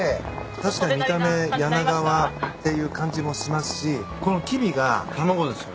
確かに見た目柳川っていう感じもしますしこのキビが卵ですよね。